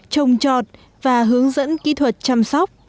trồng trọt và hướng dẫn kỹ thuật chăm sóc